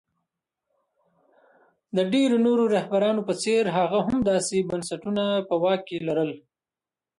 د ډېرو نورو رهبرانو په څېر هغه هم داسې بنسټونه په واک کې لرل.